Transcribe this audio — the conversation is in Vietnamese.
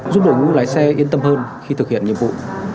giúp đội ngũ lái xe yên tâm hơn khi thực hiện nhiệm vụ